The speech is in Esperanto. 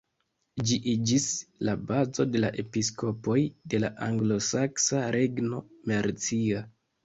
Ĝi iĝis la bazo de la episkopoj de la anglosaksa regno Mercia.